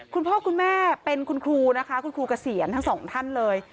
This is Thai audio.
คุณพ่อคุณแม่เป็นคุณครูนะคะคุณครูเกษียณทั้งสองท่านเลย